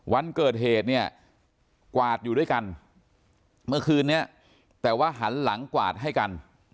วันเกิดเหตุเนี่ยกวาดอยู่ด้วยกันเมื่อคืนนี้แต่ว่าหันหลังกวาดให้กัน